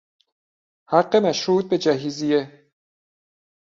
حق مشروط به جهیزیه